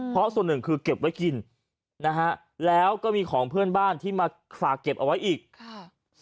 เพราะส่วนหนึ่งคือเก็บไว้กินนะฮะแล้วก็มีของเพื่อนบ้านที่มาฝากเก็บเอาไว้อีกค่ะ